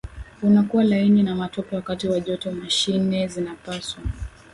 unakuwa laini na matope wakati wa joto mashine zinapaswa